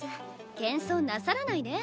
謙遜なさらないで。